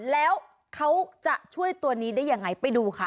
แล้วเขาจะช่วยตัวนี้ได้ยังไงไปดูค่ะ